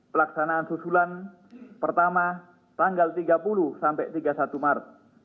pelaksanaan susulan pertama tanggal tiga puluh sampai tiga puluh satu maret